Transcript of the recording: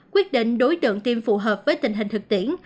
quyết định đối tượng tiêm phù hợp với tình hình thực tiễn